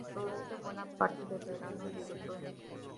Florece buena parte del verano y el otoño.